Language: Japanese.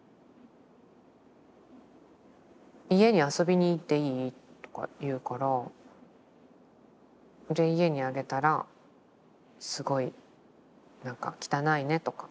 「家に遊びに行っていい？」とか言うからで家に上げたらすごいなんか汚いねとか言われて。